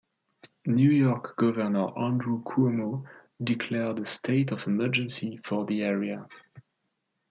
New York Governor Andrew Cuomo declared a State of Emergency for the area.